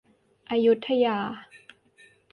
อยุธยา